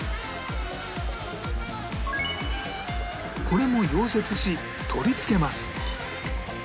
これも溶接し取り付けます